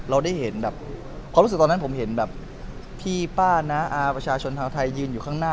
เราได้เห็นแบบความรู้สึกตอนนั้นผมเห็นแบบพี่ป้าน้าอาประชาชนชาวไทยยืนอยู่ข้างหน้า